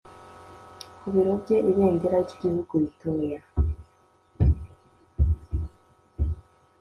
ku biro bye Ibendera ry Igihugu ritoya